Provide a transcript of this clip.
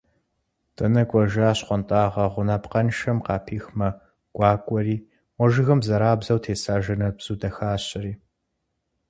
Дэнэ кӏуэжа щхъуантӏагъэ гъунапкъэншэм къапих мэ гуакӏуэри, мо жыгым бзэрабзэу теса жэнэт бзу дахащэри…